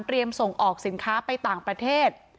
ส่งออกสินค้าไปต่างประเทศ